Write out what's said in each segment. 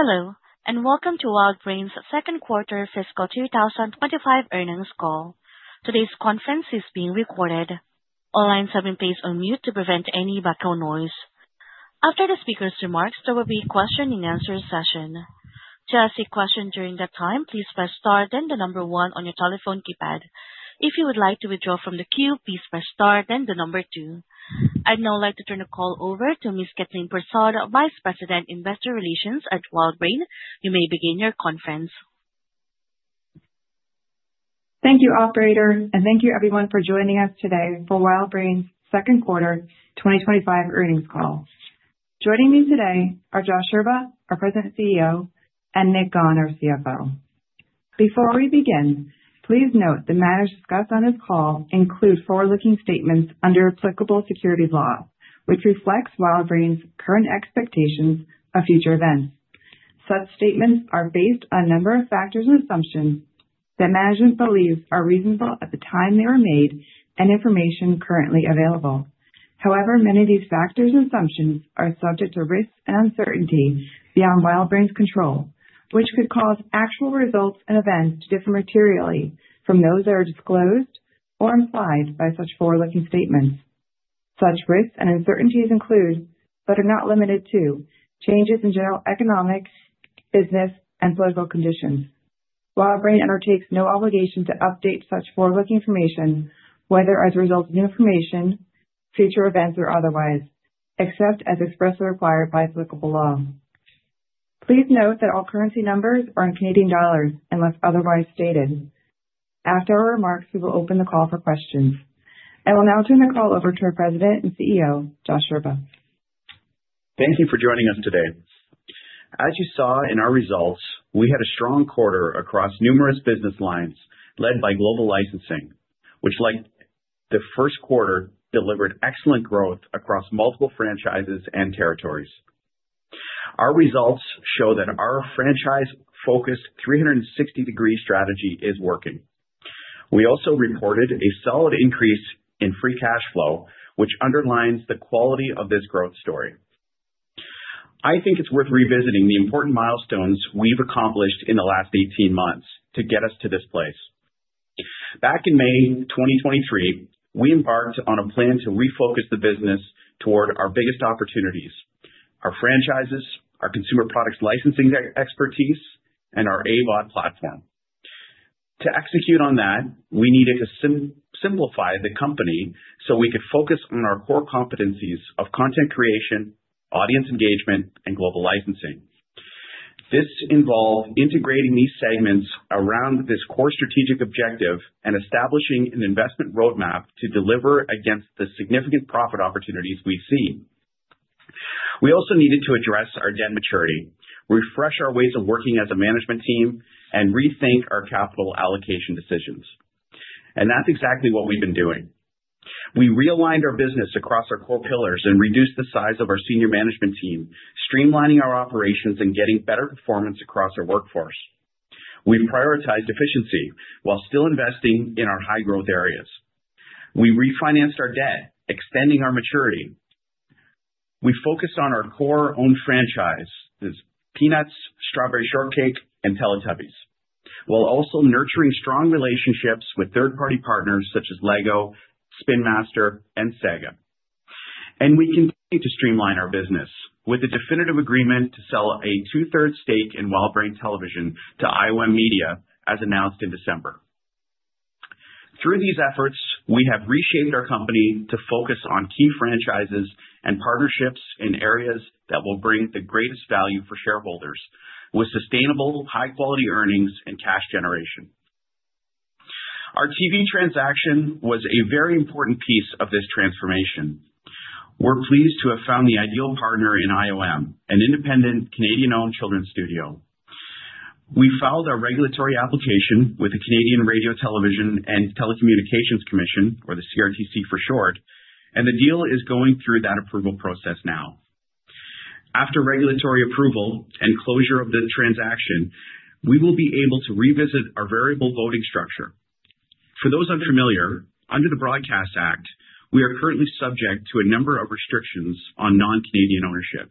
Hello, and welcome to WildBrain's Second Quarter Fiscal 2025 Earnings Call. Today's conference is being recorded. All lines have been placed on mute to prevent any background noise. After the speaker's remarks, there will be a question-and-answer session. To ask a question during that time, please press star then the number one on your telephone keypad. If you would like to withdraw from the queue, please press star then the number two. I'd now like to turn the call over to Ms. Kathleen Persaud, Vice President, Investor Relations at WildBrain. You may begin your conference. Thank you, Operator, and thank you, everyone, for joining us today for WildBrain's Second Quarter 2025 Earnings Call. Joining me today are Josh Scherba, our President and CEO, and Nick Gawne, our CFO. Before we begin, please note the matters discussed on this call include forward-looking statements under applicable securities law, which reflects WildBrain's current expectations of future events. Such statements are based on a number of factors and assumptions that management believes are reasonable at the time they were made and information currently available. However, many of these factors and assumptions are subject to risks and uncertainty beyond WildBrain's control, which could cause actual results and events to differ materially from those that are disclosed or implied by such forward-looking statements. Such risks and uncertainties include, but are not limited to, changes in general economic, business, and political conditions. WildBrain undertakes no obligation to update such forward-looking information, whether as a result of new information, future events, or otherwise, except as expressly required by applicable law. Please note that all currency numbers are in Canadian dollars unless otherwise stated. After our remarks, we will open the call for questions. I will now turn the call over to our President and CEO, Josh Scherba. Thank you for joining us today. As you saw in our results, we had a strong quarter across numerous business lines led by global licensing, which, like the first quarter, delivered excellent growth across multiple franchises and territories. Our results show that our franchise-focused 360-degree strategy is working. We also reported a solid increase in free cash flow, which underlines the quality of this growth story. I think it's worth revisiting the important milestones we've accomplished in the last 18 months to get us to this place. Back in May 2023, we embarked on a plan to refocus the business toward our biggest opportunities: our franchises, our consumer products licensing expertise, and our AVOD platform. To execute on that, we needed to simplify the company so we could focus on our core competencies of content creation, audience engagement, and global licensing. This involved integrating these segments around this core strategic objective and establishing an investment roadmap to deliver against the significant profit opportunities we see. We also needed to address our debt maturity, refresh our ways of working as a management team, and rethink our capital allocation decisions. That is exactly what we have been doing. We realigned our business across our core pillars and reduced the size of our senior management team, streamlining our operations and getting better performance across our workforce. We prioritized efficiency while still investing in our high-growth areas. We refinanced our debt, extending our maturity. We focused on our core owned franchise, Peanuts, Strawberry Shortcake, and Teletubbies, while also nurturing strong relationships with third-party partners such as Lego, Spin Master, and SEGA. We continue to streamline our business with a definitive agreement to sell a two-thirds stake in WildBrain Television to IoM Media, as announced in December. Through these efforts, we have reshaped our company to focus on key franchises and partnerships in areas that will bring the greatest value for shareholders, with sustainable, high-quality earnings and cash generation. Our TV transaction was a very important piece of this transformation. We are pleased to have found the ideal partner in IoM, an independent Canadian-owned children's studio. We filed a regulatory application with the Canadian Radio-television and Telecommunications Commission, or the CRTC for short, and the deal is going through that approval process now. After regulatory approval and closure of the transaction, we will be able to revisit our variable voting structure. For those unfamiliar, under the Broadcast Act, we are currently subject to a number of restrictions on non-Canadian ownership.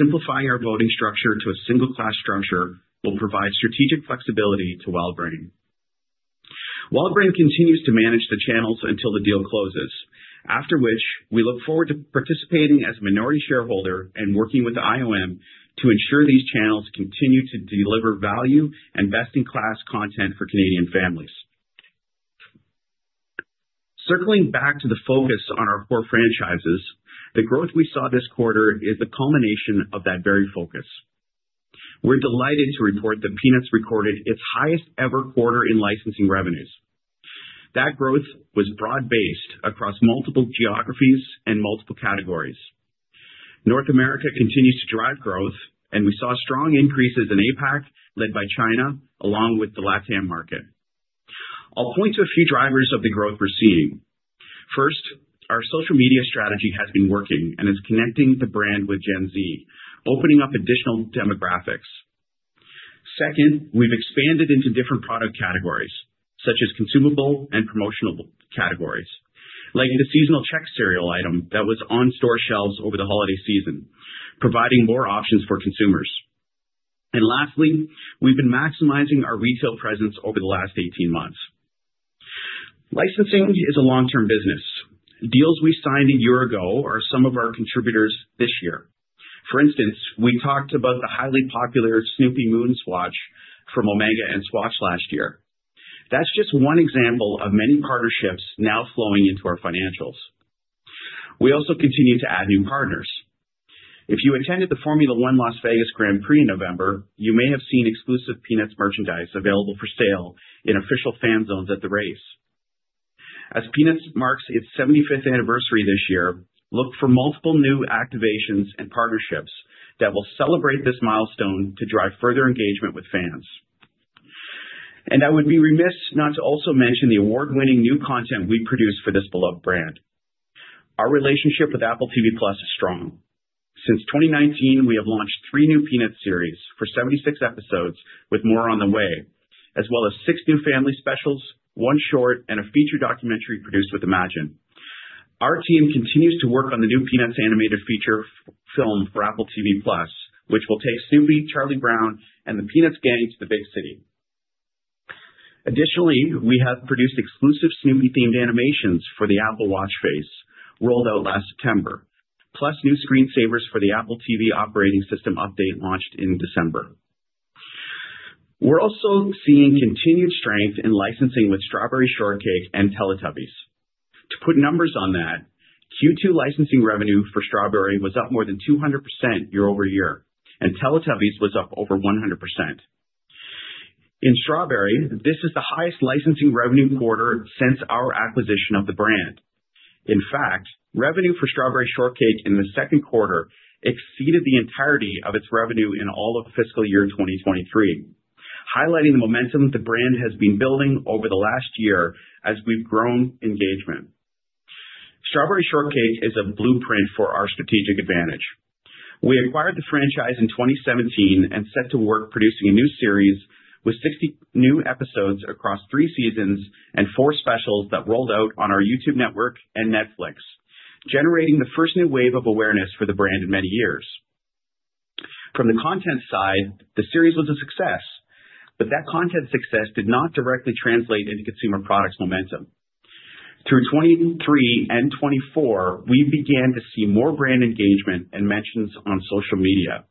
Simplifying our voting structure to a single-class structure will provide strategic flexibility to WildBrain. WildBrain continues to manage the channels until the deal closes, after which we look forward to participating as a minority shareholder and working with IoM to ensure these channels continue to deliver value and best-in-class content for Canadian families. Circling back to the focus on our core franchises, the growth we saw this quarter is the culmination of that very focus. We're delighted to report that Peanuts recorded its highest-ever quarter in licensing revenues. That growth was broad-based across multiple geographies and multiple categories. North America continues to drive growth, and we saw strong increases in APAC led by China, along with the LATAM market. I'll point to a few drivers of the growth we're seeing. First, our social media strategy has been working and is connecting the brand with Gen Z, opening up additional demographics. Second, we've expanded into different product categories, such as consumable and promotional categories, like the seasonal Chex cereal item that was on store shelves over the holiday season, providing more options for consumers. Lastly, we've been maximizing our retail presence over the last 18 months. Licensing is a long-term business. Deals we signed a year ago are some of our contributors this year. For instance, we talked about the highly popular Snoopy Moon Swatch from Omega and Swatch last year. That's just one example of many partnerships now flowing into our financials. We also continue to add new partners. If you attended the Formula One Las Vegas Grand Prix in November, you may have seen exclusive Peanuts merchandise available for sale in official fan zones at the race. As Peanuts marks its 75th anniversary this year, look for multiple new activations and partnerships that will celebrate this milestone to drive further engagement with fans. I would be remiss not to also mention the award-winning new content we produced for this beloved brand. Our relationship with Apple TV+ is strong. Since 2019, we have launched three new Peanuts series for 76 episodes, with more on the way, as well as six new family specials, one short, and a feature documentary produced with Imagine. Our team continues to work on the new Peanuts animated feature film for Apple TV+, which will take Snoopy, Charlie Brown, and the Peanuts gang to the big city. Additionally, we have produced exclusive Snoopy-themed animations for the Apple Watch face, rolled out last September, plus new screensavers for the Apple TV operating system update launched in December. We're also seeing continued strength in licensing with Strawberry Shortcake and Teletubbies. To put numbers on that, Q2 licensing revenue for Strawberry was up more than 200% year-over-year, and Teletubbies was up over 100%. In Strawberry, this is the highest licensing revenue quarter since our acquisition of the brand. In fact, revenue for Strawberry Shortcake in the second quarter exceeded the entirety of its revenue in all of fiscal year 2023, highlighting the momentum the brand has been building over the last year as we've grown engagement. Strawberry Shortcake is a blueprint for our strategic advantage. We acquired the franchise in 2017 and set to work producing a new series with 60 new episodes across three seasons and four specials that rolled out on our YouTube network and Netflix, generating the first new wave of awareness for the brand in many years. From the content side, the series was a success, but that content success did not directly translate into consumer products momentum. Through 2023 and 2024, we began to see more brand engagement and mentions on social media.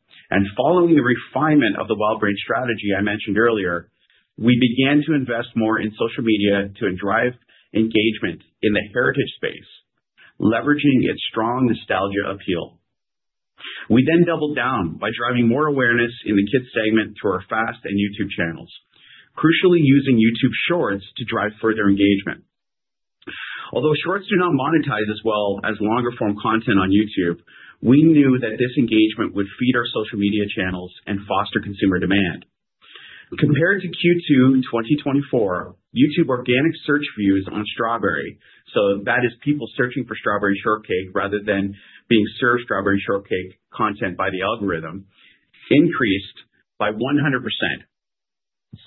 Following the refinement of the WildBrain strategy I mentioned earlier, we began to invest more in social media to drive engagement in the heritage space, leveraging its strong nostalgia appeal. We then doubled down by driving more awareness in the kids segment through our FAST and YouTube channels, crucially using YouTube Shorts to drive further engagement. Although Shorts do not monetize as well as longer-form content on YouTube, we knew that this engagement would feed our social media channels and foster consumer demand. Compared to Q2 2024, YouTube organic search views on Strawberry, so that is people searching for Strawberry Shortcake rather than being served Strawberry Shortcake content by the algorithm, increased by 100%.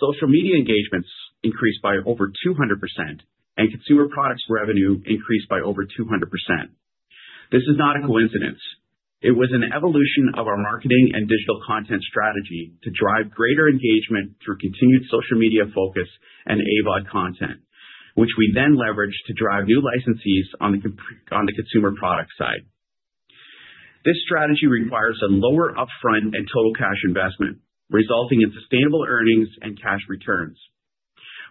Social media engagements increased by over 200%, and consumer products revenue increased by over 200%. This is not a coincidence. It was an evolution of our marketing and digital content strategy to drive greater engagement through continued social media focus and AVOD content, which we then leveraged to drive new licensees on the consumer product side. This strategy requires a lower upfront and total cash investment, resulting in sustainable earnings and cash returns.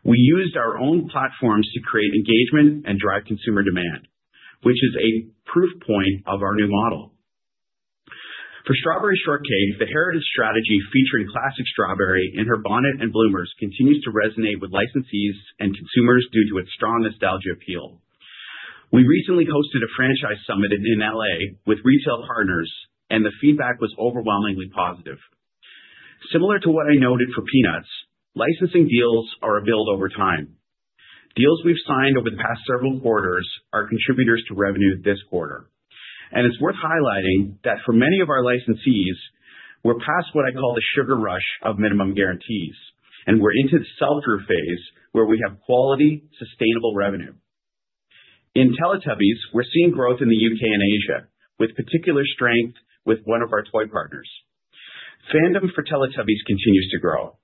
We used our own platforms to create engagement and drive consumer demand, which is a proof point of our new model. For Strawberry Shortcake, the heritage strategy featuring classic Strawberry in her Bonnet and Bloomers continues to resonate with licensees and consumers due to its strong nostalgia appeal. We recently hosted a franchise summit in Los Angeles with retail partners, and the feedback was overwhelmingly positive. Similar to what I noted for Peanuts, licensing deals are a build over time. Deals we've signed over the past several quarters are contributors to revenue this quarter. It is worth highlighting that for many of our licensees, we're past what I call the sugar rush of minimum guarantees, and we're into the sell-through phase where we have quality, sustainable revenue. In Teletubbies, we're seeing growth in the U.K. and Asia, with particular strength with one of our toy partners. Fandom for Teletubbies continues to grow.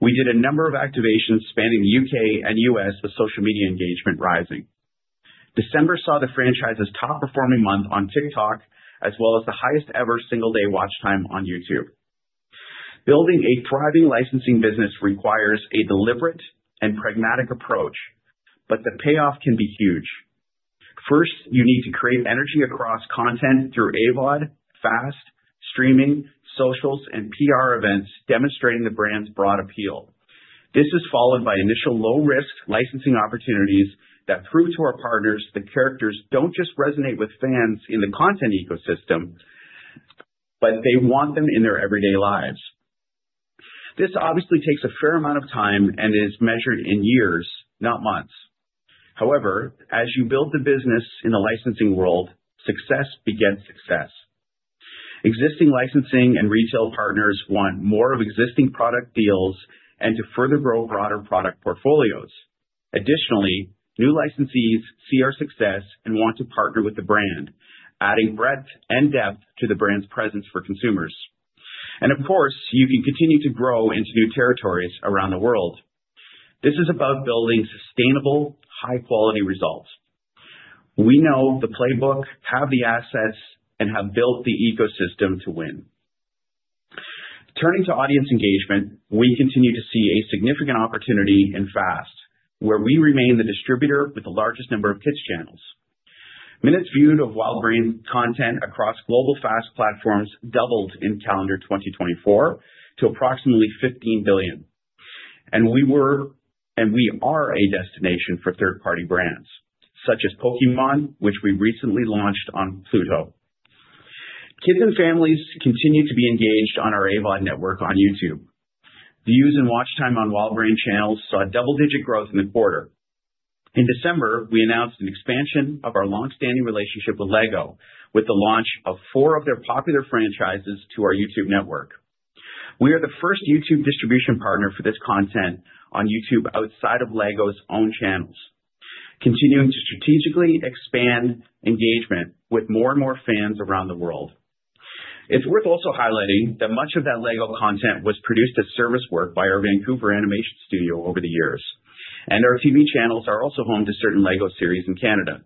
We did a number of activations spanning the U.K. and U.S. with social media engagement rising. December saw the franchise's top-performing month on TikTok, as well as the highest-ever single-day watch time on YouTube. Building a thriving licensing business requires a deliberate and pragmatic approach, but the payoff can be huge. First, you need to create energy across content through AVOD, FAST, streaming, socials, and PR events demonstrating the brand's broad appeal. This is followed by initial low-risk licensing opportunities that prove to our partners that characters do not just resonate with fans in the content ecosystem, but they want them in their everyday lives. This obviously takes a fair amount of time and is measured in years, not months. However, as you build the business in the licensing world, success begets success. Existing licensing and retail partners want more of existing product deals and to further grow broader product portfolios. Additionally, new licensees see our success and want to partner with the brand, adding breadth and depth to the brand's presence for consumers. You can continue to grow into new territories around the world. This is about building sustainable, high-quality results. We know the playbook, have the assets, and have built the ecosystem to win. Turning to audience engagement, we continue to see a significant opportunity in FAST, where we remain the distributor with the largest number of kids channels. Minutes viewed of WildBrain content across global FAST platforms doubled in calendar 2024 to approximately 15 billion. We are a destination for third-party brands, such as Pokémon, which we recently launched on Pluto. Kids and families continue to be engaged on our AVOD network on YouTube. Views and watch time on WildBrain channels saw double-digit growth in the quarter. In December, we announced an expansion of our long-standing relationship with Lego, with the launch of four of their popular franchises to our YouTube network. We are the first YouTube distribution partner for this content on YouTube outside of Lego's own channels, continuing to strategically expand engagement with more and more fans around the world. It's worth also highlighting that much of that Lego content was produced as service work by our Vancouver animation studio over the years. Our TV channels are also home to certain Lego series in Canada,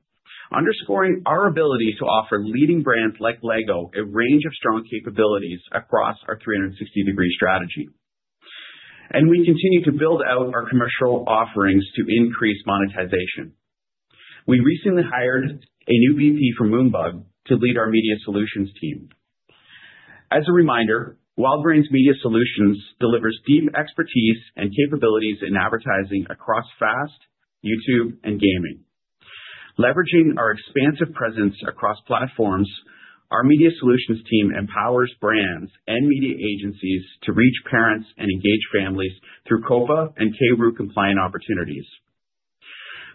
underscoring our ability to offer leading brands like Lego a range of strong capabilities across our 360-degree strategy. We continue to build out our commercial offerings to increase monetization. We recently hired a new VP for Moonbug to lead our media solutions team. As a reminder, WildBrain's media solutions delivers deep expertise and capabilities in advertising across FAST, YouTube, and gaming. Leveraging our expansive presence across platforms, our media solutions team empowers brands and media agencies to reach parents and engage families through COFA and [keyru] compliant opportunities.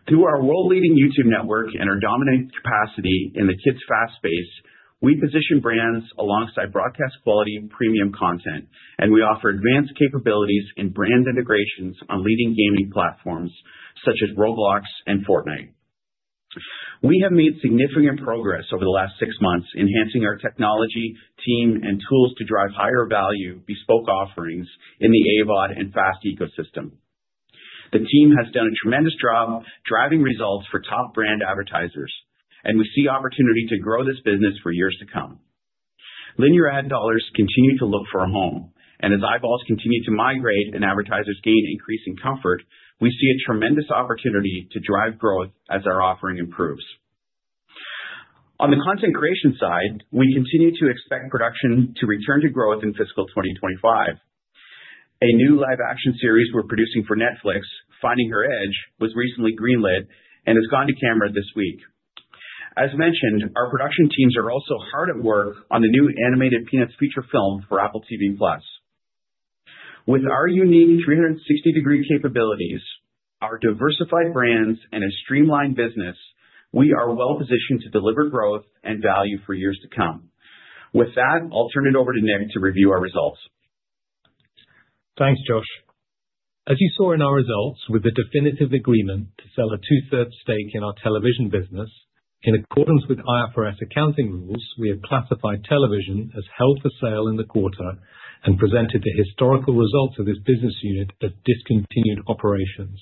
Through our world-leading YouTube network and our dominant capacity in the kids FAST space, we position brands alongside broadcast quality premium content, and we offer advanced capabilities in brand integrations on leading gaming platforms such as Roblox and Fortnite. We have made significant progress over the last six months, enhancing our technology, team, and tools to drive higher-value bespoke offerings in the AVOD and FAST ecosystem. The team has done a tremendous job driving results for top brand advertisers, and we see opportunity to grow this business for years to come. Linear ad dollars continue to look for a home, and as eyeballs continue to migrate and advertisers gain increasing comfort, we see a tremendous opportunity to drive growth as our offering improves. On the content creation side, we continue to expect production to return to growth in fiscal 2025. A new live-action series we're producing for Netflix, Finding Your Edge, was recently greenlit and has gone to camera this week. As mentioned, our production teams are also hard at work on the new animated Peanuts feature film for Apple TV+. With our unique 360-degree capabilities, our diversified brands, and a streamlined business, we are well-positioned to deliver growth and value for years to come. With that, I'll turn it over to Nick to review our results. Thanks, Josh. As you saw in our results, with the definitive agreement to sell a two-thirds stake in our television business, in accordance with IFRS accounting rules, we have classified television as held for sale in the quarter and presented the historical results of this business unit as discontinued operations.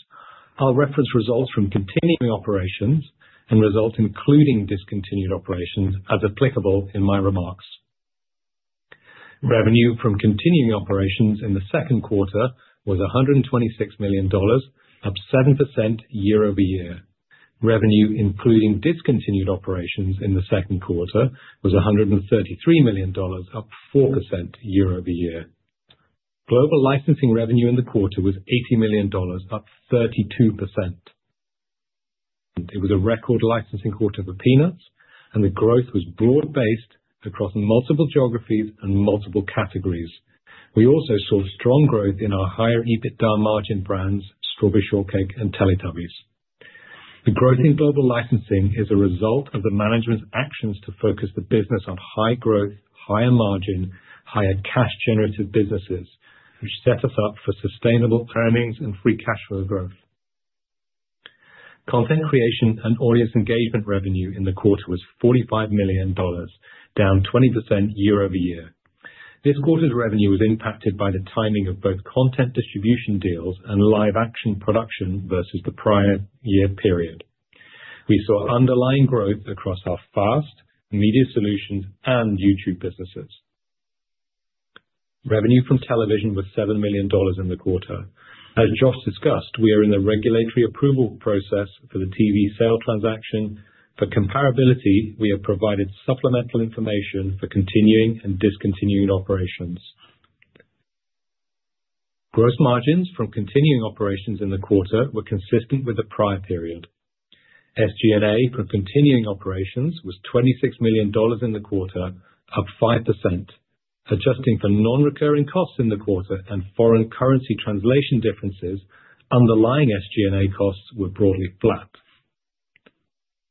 I'll reference results from continuing operations and results including discontinued operations as applicable in my remarks. Revenue from continuing operations in the second quarter was 126 million dollars, up 7% year-over-year. Revenue including discontinued operations in the second quarter was 133 million dollars, up 4% year-over-year. Global licensing revenue in the quarter was 80 million dollars, up 32%. It was a record licensing quarter for Peanuts, and the growth was broad-based across multiple geographies and multiple categories. We also saw strong growth in our higher EBITDA margin brands, Strawberry Shortcake and Teletubbies. The growth in global licensing is a result of the management's actions to focus the business on high growth, higher margin, higher cash-generative businesses, which set us up for sustainable earnings and free cash flow growth. Content creation and audience engagement revenue in the quarter was 45 million dollars, down 20% year-over-year. This quarter's revenue was impacted by the timing of both content distribution deals and live-action production versus the prior year period. We saw underlying growth across our FAST, media solutions, and YouTube businesses. Revenue from television was 7 million dollars in the quarter. As Josh discussed, we are in the regulatory approval process for the TV sale transaction. For comparability, we have provided supplemental information for continuing and discontinuing operations. Gross margins from continuing operations in the quarter were consistent with the prior period. SG&A from continuing operations was 26 million dollars in the quarter, up 5%. Adjusting for non-recurring costs in the quarter and foreign currency translation differences, underlying SG&A costs were broadly flat.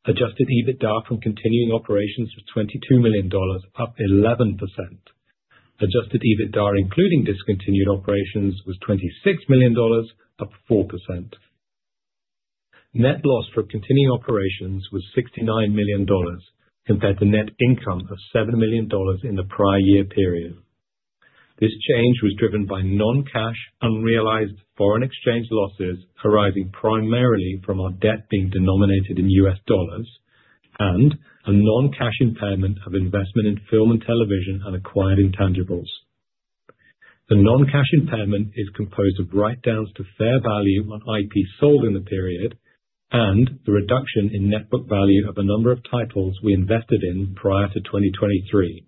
Adjusted EBITDA from continuing operations was 22 million dollars, up 11%. Adjusted EBITDA including discontinued operations was 26 million dollars, up 4%. Net loss for continuing operations was 69 million dollars, compared to net income of 7 million dollars in the prior year period. This change was driven by non-cash unrealized foreign exchange losses arising primarily from our debt being denominated in US dollars and a non-cash impairment of investment in film and television and acquired intangibles. The non-cash impairment is composed of write-downs to fair value on IP sold in the period and the reduction in net book value of a number of titles we invested in prior to 2023.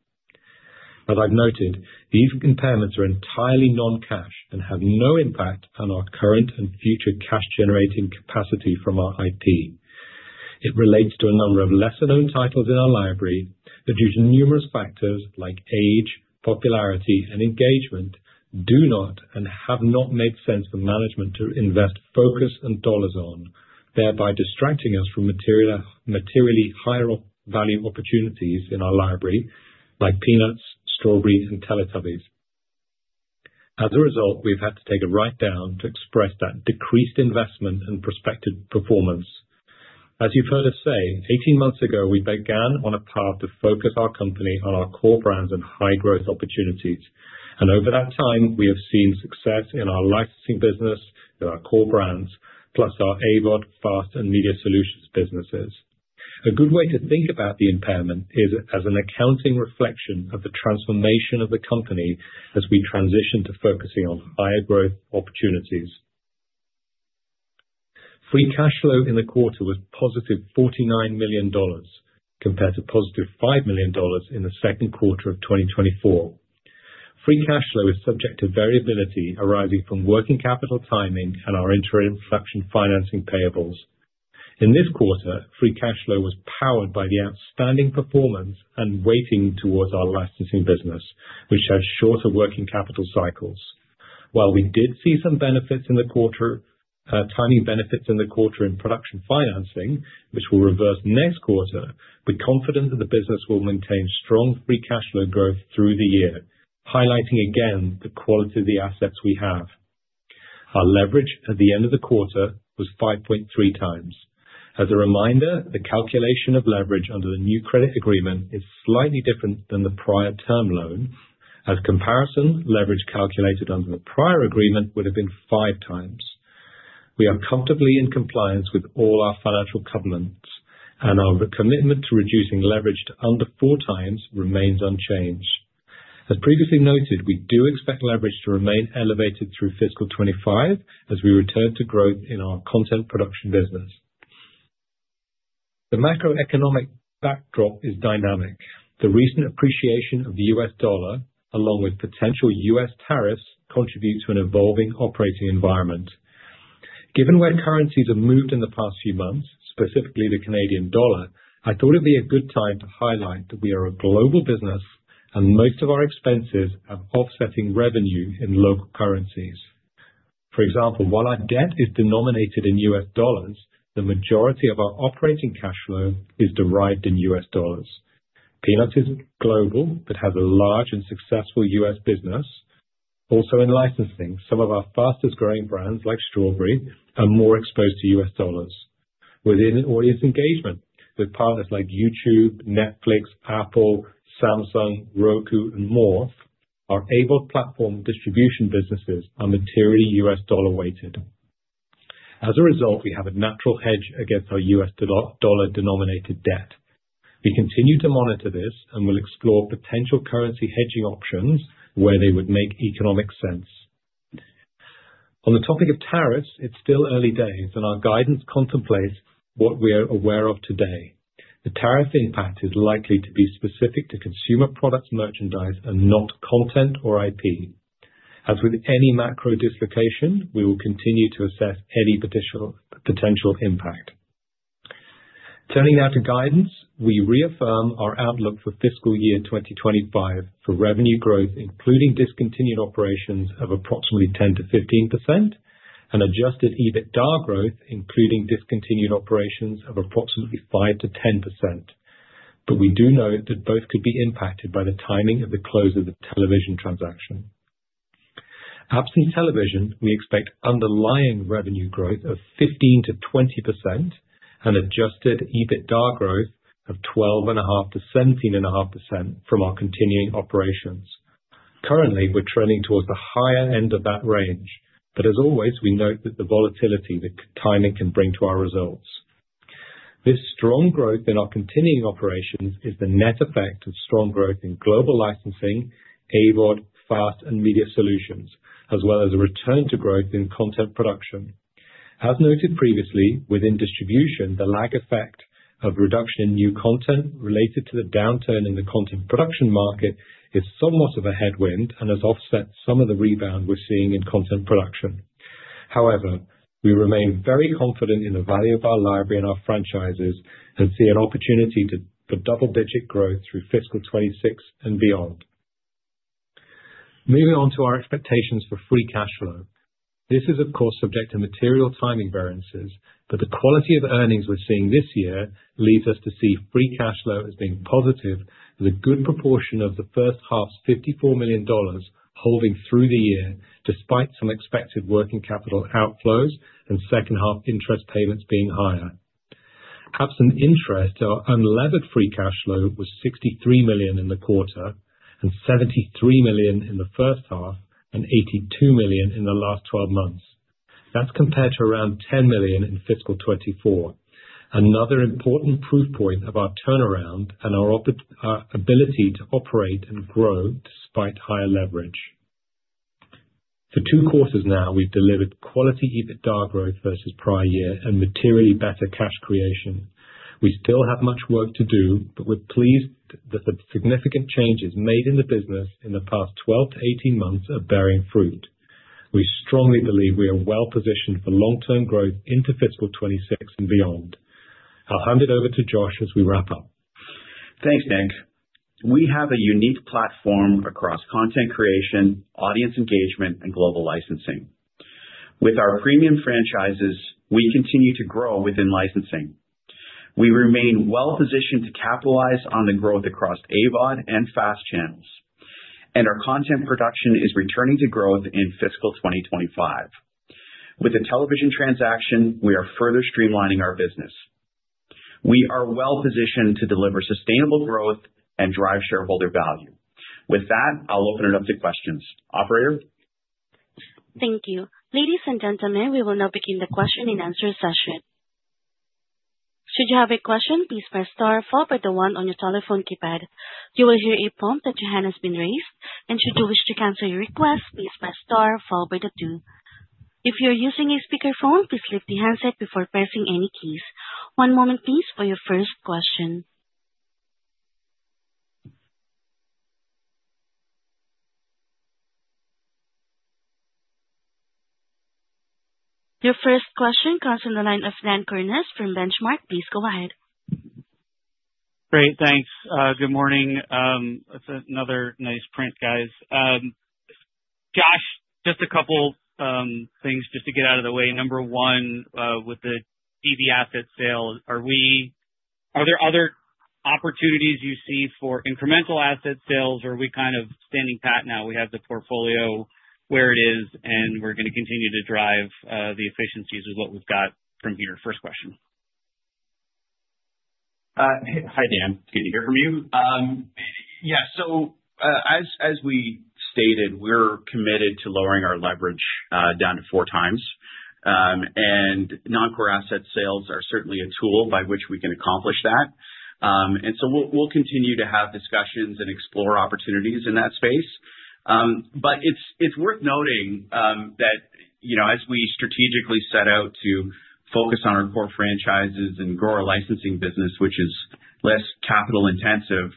As I've noted, these impairments are entirely non-cash and have no impact on our current and future cash-generating capacity from our IP. It relates to a number of lesser-known titles in our library that, due to numerous factors like age, popularity, and engagement, do not and have not made sense for management to invest focus and dollars on, thereby distracting us from materially higher-value opportunities in our library, like Peanuts, Strawberry, and Teletubbies. As a result, we've had to take a write-down to express that decreased investment and prospective performance. As you've heard us say, 18 months ago, we began on a path to focus our company on our core brands and high-growth opportunities. Over that time, we have seen success in our licensing business with our core brands, plus our AVOD, FAST, and media solutions businesses. A good way to think about the impairment is as an accounting reflection of the transformation of the company as we transition to focusing on higher-growth opportunities. Free cash flow in the quarter was positive 49 million dollars, compared to positive 5 million dollars in the second quarter of 2024. Free cash flow is subject to variability arising from working capital timing and our interim inflection financing payables. In this quarter, free cash flow was powered by the outstanding performance and weighting towards our licensing business, which has shorter working capital cycles. While we did see some benefits in the quarter, timing benefits in the quarter in production financing, which will reverse next quarter, we're confident that the business will maintain strong free cash flow growth through the year, highlighting again the quality of the assets we have. Our leverage at the end of the quarter was 5.3 times. As a reminder, the calculation of leverage under the new credit agreement is slightly different than the prior term loan. As comparison, leverage calculated under the prior agreement would have been five times. We are comfortably in compliance with all our financial covenants, and our commitment to reducing leverage to under four times remains unchanged. As previously noted, we do expect leverage to remain elevated through fiscal 2025 as we return to growth in our content production business. The macroeconomic backdrop is dynamic. The recent appreciation of the U.S. dollar, along with potential U.S. tariffs, contributes to an evolving operating environment. Given where currencies have moved in the past few months, specifically the Canadian dollar, I thought it'd be a good time to highlight that we are a global business and most of our expenses are offsetting revenue in local currencies. For example, while our debt is denominated in U.S. dollars, the majority of our operating cash flow is derived in U.S. dollars. Peanuts is global but has a large and successful U.S. business. Also in licensing, some of our fastest-growing brands, like Strawberry, are more exposed to U.S. dollars. Within audience engagement, with partners like YouTube, Netflix, Apple, Samsung, Roku, and more, our AVOD platform distribution businesses are materially U.S. dollar-weighted. As a result, we have a natural hedge against our U.S. dollar-denominated debt. We continue to monitor this and will explore potential currency hedging options where they would make economic sense. On the topic of tariffs, it is still early days, and our guidance contemplates what we are aware of today. The tariff impact is likely to be specific to consumer products, merchandise, and not content or IP. As with any macro dislocation, we will continue to assess any potential impact. Turning now to guidance, we reaffirm our outlook for fiscal year 2025 for revenue growth, including discontinued operations, of approximately 10%-15%, and adjusted EBITDA growth, including discontinued operations, of approximately 5%-10%. We do note that both could be impacted by the timing of the close of the television transaction. Absent television, we expect underlying revenue growth of 15%-20% and adjusted EBITDA growth of 12.5%-17.5% from our continuing operations. Currently, we're trending towards the higher end of that range. As always, we note the volatility that timing can bring to our results. This strong growth in our continuing operations is the net effect of strong growth in global licensing, AVOD, FAST, and media solutions, as well as a return to growth in content production. As noted previously, within distribution, the lag effect of reduction in new content related to the downturn in the content production market is somewhat of a headwind and has offset some of the rebound we're seeing in content production. However, we remain very confident in the value of our library and our franchises and see an opportunity for double-digit growth through fiscal 2026 and beyond. Moving on to our expectations for free cash flow. This is, of course, subject to material timing variances, but the quality of earnings we're seeing this year leads us to see free cash flow as being positive with a good proportion of the first half's 54 million dollars holding through the year, despite some expected working capital outflows and second-half interest payments being higher. Absent interest, our unlevered free cash flow was 63 million in the quarter and 73 million in the first half and 82 million in the last 12 months. That's compared to around 10 million in fiscal 2024, another important proof point of our turnaround and our ability to operate and grow despite higher leverage. For two quarters now, we've delivered quality EBITDA growth versus prior year and materially better cash creation. We still have much work to do, but we're pleased that the significant changes made in the business in the past 12 to 18 months are bearing fruit. We strongly believe we are well-positioned for long-term growth into fiscal 2026 and beyond. I'll hand it over to Josh as we wrap up. Thanks, Nick. We have a unique platform across content creation, audience engagement, and global licensing. With our premium franchises, we continue to grow within licensing. We remain well-positioned to capitalize on the growth across AVOD and FAST channels, and our content production is returning to growth in fiscal 2025. With the television transaction, we are further streamlining our business. We are well-positioned to deliver sustainable growth and drive shareholder value. With that, I'll open it up to questions. Operator? Thank you. Ladies and gentlemen, we will now begin the question and answer session. Should you have a question, please press star followed by the one on your telephone keypad. You will hear a prompt that your hand has been raised. Should you wish to cancel your request, please press star followed by the two. If you're using a speakerphone, please lift the handset before pressing any keys. One moment, please, for your first question. Your first question comes from the line of Dan Kurnos from Benchmark. Please go ahead. Great. Thanks. Good morning. That's another nice print, guys. Josh, just a couple things just to get out of the way. Number one, with the EV asset sale, are there other opportunities you see for incremental asset sales, or are we kind of standing pat now? We have the portfolio where it is, and we're going to continue to drive the efficiencies with what we've got from here. First question. Hi, Dan. Good to hear from you. Yeah. As we stated, we're committed to lowering our leverage down to four times. Non-core asset sales are certainly a tool by which we can accomplish that. We'll continue to have discussions and explore opportunities in that space. It's worth noting that as we strategically set out to focus on our core franchises and grow our licensing business, which is less capital-intensive,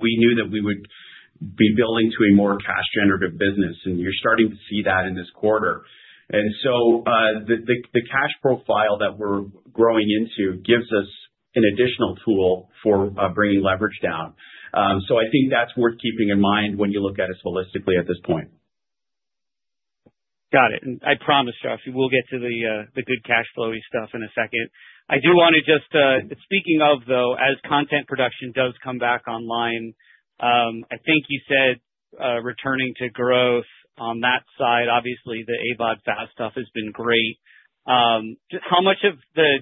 we knew that we would be building to a more cash-generative business. You're starting to see that in this quarter. The cash profile that we're growing into gives us an additional tool for bringing leverage down. I think that's worth keeping in mind when you look at us holistically at this point. Got it. I promise, Josh, we'll get to the good cash flowy stuff in a second. I do want to just, speaking of, though, as content production does come back online, I think you said returning to growth on that side. Obviously, the AVOD FAST stuff has been great. How much of the,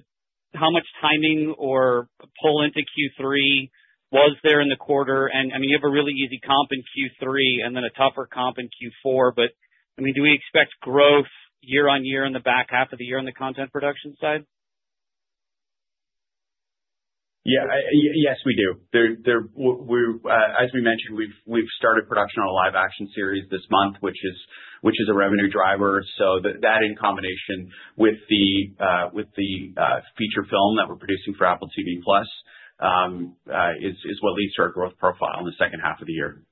how much timing or pull into Q3 was there in the quarter? I mean, you have a really easy comp in Q3 and then a tougher comp in Q4. I mean, do we expect growth year on year in the back half of the year on the content production side? Yeah. Yes, we do. As we mentioned, we've started production on a live-action series this month, which is a revenue driver. That, in combination with the feature film that we're producing for Apple TV+, is what leads to our growth profile in the second half of the year.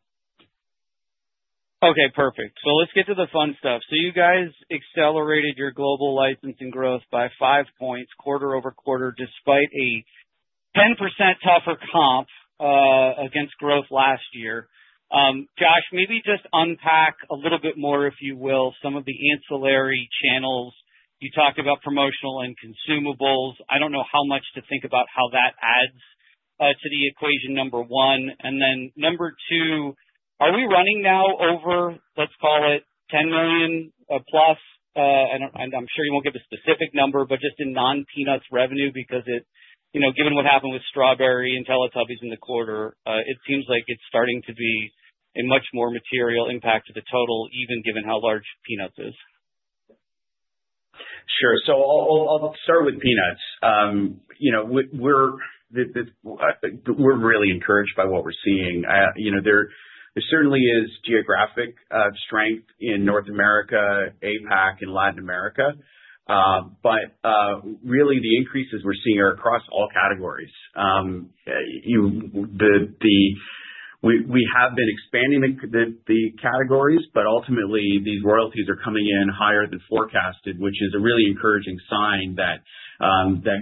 Okay. Perfect. Let's get to the fun stuff. You guys accelerated your global licensing growth by five percentage points quarter over quarter despite a 10% tougher comp against growth last year. Josh, maybe just unpack a little bit more, if you will, some of the ancillary channels. You talked about promotional and consumables. I don't know how much to think about how that adds to the equation, number one. Number two, are we running now over, let's call it, 10 million plus? I'm sure you won't give a specific number, but just in non-Peanuts revenue, because given what happened with Strawberry and Teletubbies in the quarter, it seems like it's starting to be a much more material impact to the total, even given how large Peanuts is. Sure. I'll start with Peanuts. We're really encouraged by what we're seeing. There certainly is geographic strength in North America, APAC, and Latin America. The increases we're seeing are across all categories. We have been expanding the categories, but ultimately, these royalties are coming in higher than forecasted, which is a really encouraging sign that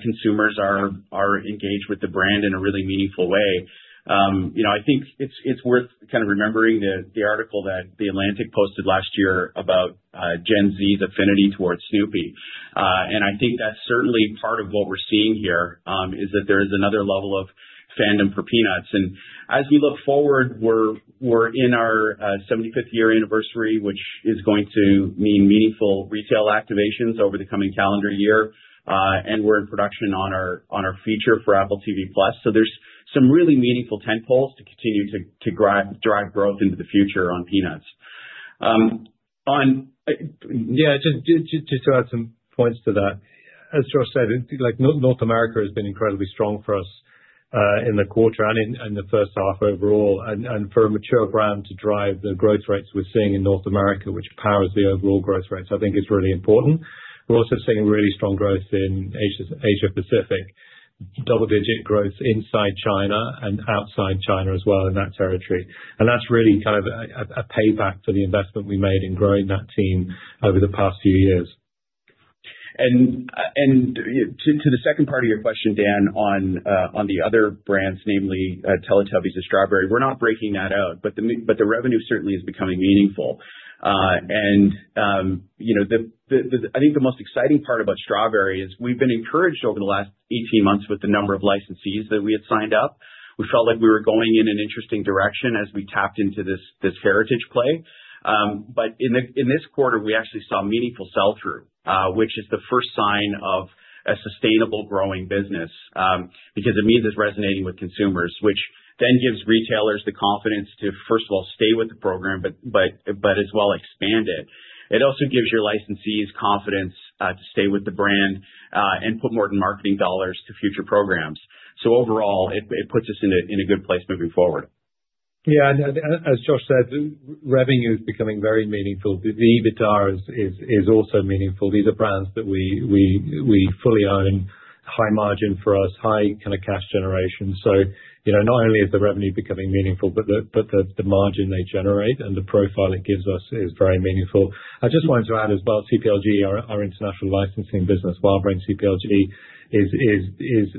consumers are engaged with the brand in a really meaningful way. I think it's worth kind of remembering the article that The Atlantic posted last year about Gen Z's affinity towards Snoopy. I think that's certainly part of what we're seeing here is that there is another level of fandom for Peanuts. As we look forward, we're in our 75th year anniversary, which is going to mean meaningful retail activations over the coming calendar year. We're in production on our feature for Apple TV+. There are some really meaningful tentpoles to continue to drive growth into the future on Peanuts. Yeah. Just to add some points to that. As Josh said, North America has been incredibly strong for us in the quarter and in the first half overall. For a mature brand to drive the growth rates we're seeing in North America, which powers the overall growth rates, I think it's really important. We're also seeing really strong growth in Asia-Pacific, double-digit growth inside China and outside China as well in that territory. That is really kind of a payback for the investment we made in growing that team over the past few years. To the second part of your question, Dan, on the other brands, namely Teletubbies and Strawberry, we're not breaking that out, but the revenue certainly is becoming meaningful. I think the most exciting part about Strawberry is we've been encouraged over the last 18 months with the number of licensees that we had signed up. We felt like we were going in an interesting direction as we tapped into this heritage play. In this quarter, we actually saw meaningful sell-through, which is the first sign of a sustainable growing business because it means it's resonating with consumers, which then gives retailers the confidence to, first of all, stay with the program, but as well expand it. It also gives your licensees confidence to stay with the brand and put more in marketing dollars to future programs. Overall, it puts us in a good place moving forward. Yeah. As Josh said, revenue is becoming very meaningful. The EBITDA is also meaningful. These are brands that we fully own, high margin for us, high kind of cash generation. Not only is the revenue becoming meaningful, but the margin they generate and the profile it gives us is very meaningful. I just wanted to add as well, CPLG, our international licensing business, WildBrain CPLG, is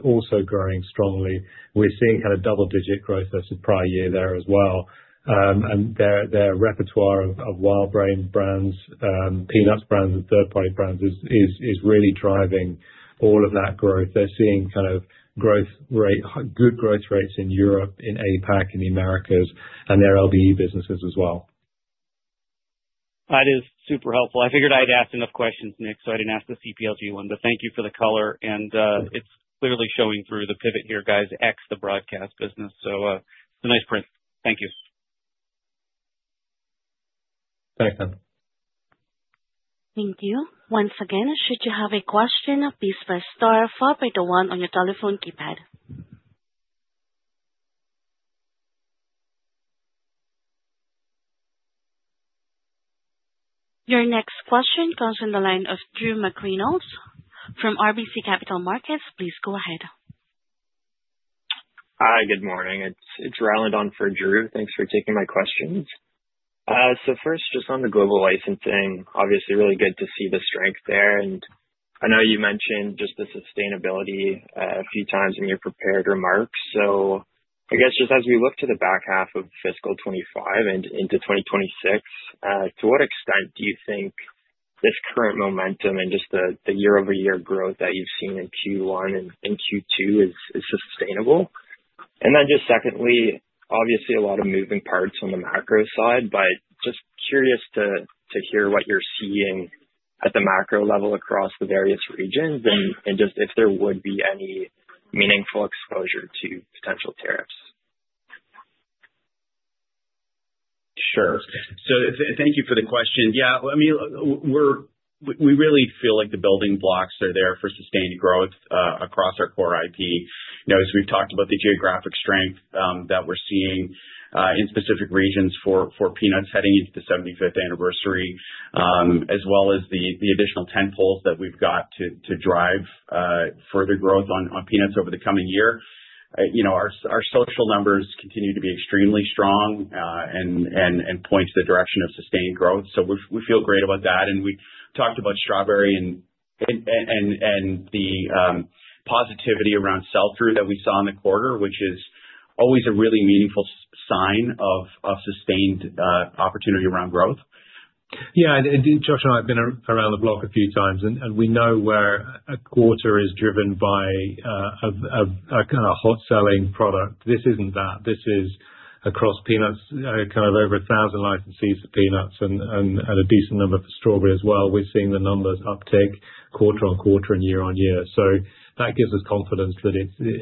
also growing strongly. We're seeing kind of double-digit growth versus prior year there as well. And their repertoire of WildBrain brands, Peanuts brands, and third-party brands is really driving all of that growth. They're seeing kind of good growth rates in Europe, in APAC, in the Americas, and their LBE businesses as well. That is super helpful. I figured I'd asked enough questions, Nick, so I didn't ask the CPLG one. Thank you for the color. It's clearly showing through the pivot here, guys, x the broadcast business. It's a nice print. Thank you. Thanks, Dan. Thank you. Once again, should you have a question, please press star followed by the one on your telephone keypad. Your next question comes from the line of Drew McReynolds from RBC Capital Markets. Please go ahead. Hi. Good morning. It's Rowland on for Drew. Thanks for taking my questions. First, just on the global licensing, obviously, really good to see the strength there. I know you mentioned just the sustainability a few times in your prepared remarks. I guess just as we look to the back half of fiscal 2025 and into 2026, to what extent do you think this current momentum and just the year-over-year growth that you've seen in Q1 and Q2 is sustainable? Secondly, obviously, a lot of moving parts on the macro side, but just curious to hear what you're seeing at the macro level across the various regions and if there would be any meaningful exposure to potential tariffs. Sure. Thank you for the question. Yeah, I mean, we really feel like the building blocks are there for sustained growth across our core IP. As we've talked about the geographic strength that we're seeing in specific regions for Peanuts heading into the 75th anniversary, as well as the additional tentpoles that we've got to drive further growth on Peanuts over the coming year. Our social numbers continue to be extremely strong and point to the direction of sustained growth. We feel great about that. We talked about Strawberry and the positivity around sell-through that we saw in the quarter, which is always a really meaningful sign of sustained opportunity around growth. Yeah. Josh and I have been around the block a few times. We know where a quarter is driven by a hot-selling product. This isn't that. This is across Peanuts, kind of over 1,000 licensees for Peanuts and a decent number for Strawberry as well. We're seeing the numbers uptick quarter on quarter and year on year. That gives us confidence that,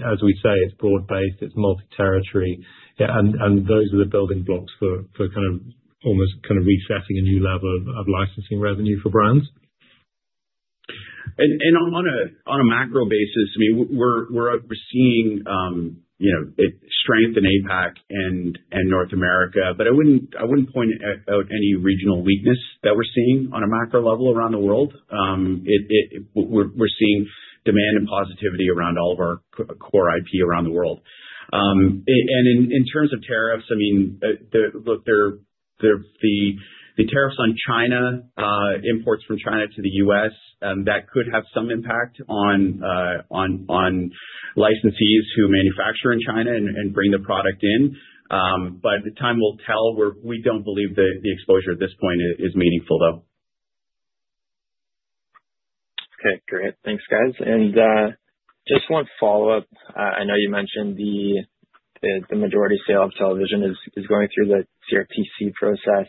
as we say, it's broad-based, it's multi-territory. Those are the building blocks for kind of almost kind of resetting a new level of licensing revenue for brands. On a macro basis, I mean, we're seeing strength in APAC and North America. I wouldn't point out any regional weakness that we're seeing on a macro level around the world. We're seeing demand and positivity around all of our core IP around the world. In terms of tariffs, I mean, look, the tariffs on China, imports from China to the US, that could have some impact on licensees who manufacture in China and bring the product in. Time will tell. We don't believe the exposure at this point is meaningful, though. Okay. Great. Thanks, guys. Just one follow-up. I know you mentioned the majority sale of television is going through the CRTC process.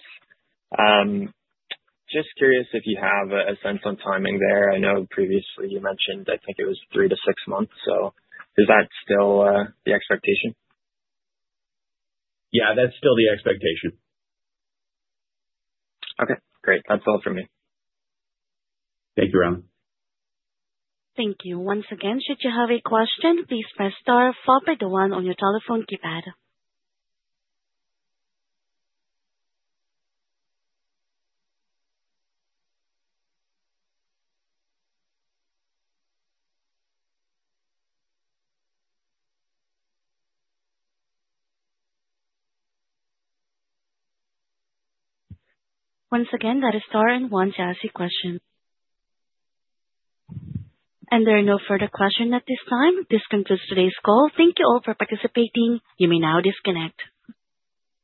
Just curious if you have a sense on timing there. I know previously you mentioned, I think it was three to six months. Is that still the expectation? Yeah. That's still the expectation. Okay. Great. That's all from me. Thank you, Rowland. Thank you. Once again, should you have a question, please press star followed by the one on your telephone keypad. Once again, that is star and one to ask a question. There are no further questions at this time. This concludes today's call. Thank you all for participating. You may now disconnect.